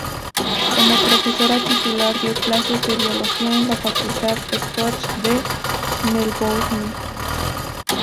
Como profesora titular, dio clases de biología en la Facultad Scotch, de Melbourne.